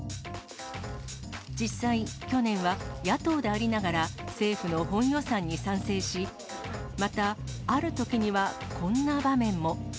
実際、去年は野党でありながら、政府の本予算に賛成し、また、あるときにはこんな場面も。